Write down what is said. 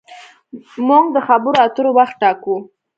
موږ د خبرو اترو وخت ټاکو.